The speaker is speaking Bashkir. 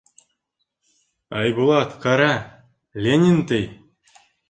— Айбулат, ҡара, Ленин, — ти.